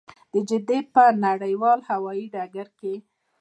د جدې په نړیوال هوايي ډګر کې.